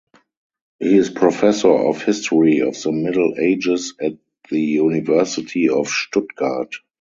He is professor of History of the Middle Ages at the University of Stuttgart.